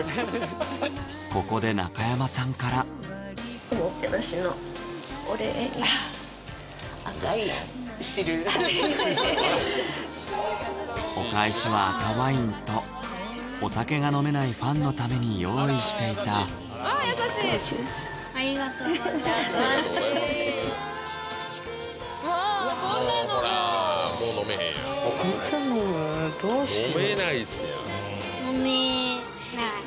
ここで中山さんからお返しは赤ワインとお酒が飲めないファンのために用意していたわこんなのもうもう飲めへんやんどうしよう？